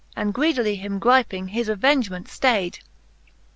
And greedily him griping, his avengement ftayd..